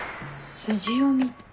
筋読みって？